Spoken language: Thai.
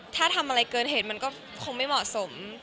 ถ้าทำอะไรเกินเหตุมันก็คงไม่เหมาะสม